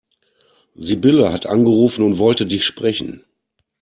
Sibylle hat angerufen und wollte dich sprechen.